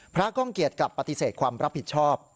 ก้องเกียจกลับปฏิเสธความรับผิดชอบ